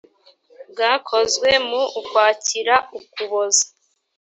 bwakozwe mu ukwakira ukuboza